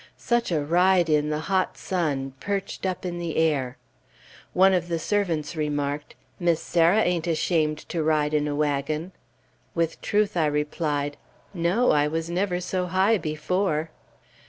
Such a ride in the hot sun, perched up in the air! One of the servants remarked, "Miss Sarah ain't ashamed to ride in a wagon!" With truth I replied, "No, I was never so high before."